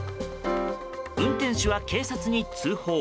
運転手は警察に通報。